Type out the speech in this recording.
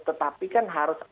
tetapi kan harus